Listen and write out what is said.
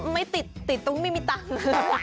ไม่ติดตรงนี้มีตังค์